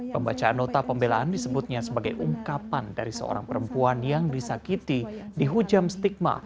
pembacaan nota pembelaan disebutnya sebagai ungkapan dari seorang perempuan yang disakiti di hujam stigma